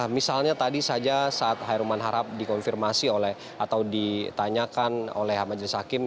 misalnya tadi saja saat herman harahap dikonfirmasi oleh atau ditanyakan oleh herman jelis hakim